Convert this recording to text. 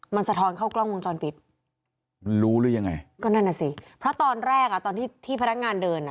มันสะท้อนเข้ากล้องมุมจรปิดรู้หรือยังไงก็นั่นสิเพราะตอนแรกตอนที่พนักงานเดิน